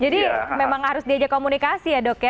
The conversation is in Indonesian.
jadi memang harus diajak komunikasi ya dok ya